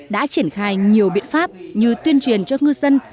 đã có thể triển khai nhiều biện pháp như tuyên truyền cho ngư dân